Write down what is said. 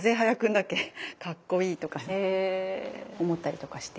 かっこいい！とか思ったりとかして。